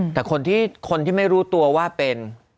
แต่คนที่ไม่รู้ตัวว่าเป็น